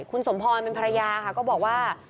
คุณสมพรเป็นภรรยาค่ะก็บอกว่า